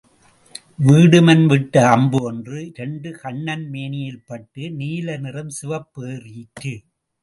வீடுமன் விட்ட அம்பு ஒன்று இரண்டு கண்ணன் மேனியில் பட்டு நீல நிறம் சிவப்பு ஏறிற்று.